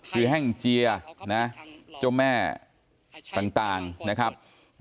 คือแห้งเจียนะเจ้าแม่ต่างนะครับ